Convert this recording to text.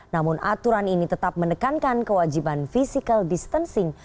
namun aturan ini tetap menekankan kewajiban physical distancing